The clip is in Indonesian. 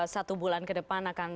satu bulan ke depan akan